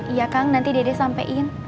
iya kang nanti dede sampein